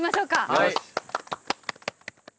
はい。